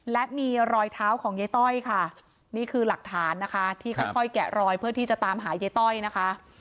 และมีรอยเท้าของยายต้อยค่ะนี่คือหลักฐานนะคะที่ค่อยแกะรอยเพื่อที่จะตามหายายต้อยนะคะ